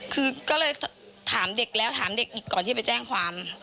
คือก็เลยถามเด็กแล้วถามเด็กอีกก่อนที่ไปแจ้งความ